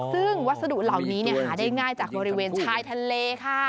ซึ่งวัสดุเหล่านี้หาได้ง่ายจากบริเวณชายทะเลค่ะ